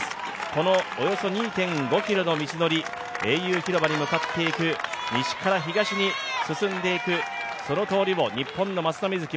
このおよそ２．５ｋｍの道のり英雄広場に向かっていく西から東に進んでいくその通りを日本の松田瑞生